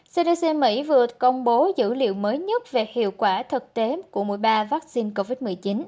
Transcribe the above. cdc mỹ vừa công bố dữ liệu mới nhất về hiệu quả thực tế của mỗi ba vaccine covid một mươi chín